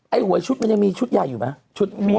ไอ้หัวชุดมันยังมีหัวชุดใหญ่อยู่ไหม